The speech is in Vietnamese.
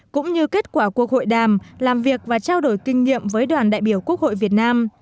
cũng như kết quả cuộc hội đàm làm việc và trao đổi kinh nghiệm với đoàn đại biểu quốc hội việt nam